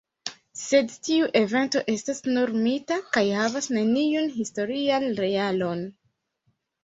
Sed tiu evento estas nur mita, kaj havas neniun historian realon.